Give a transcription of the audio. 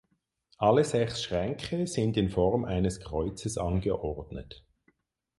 Alle sechs Schränke sind in Form eines Kreuzes angeordnet.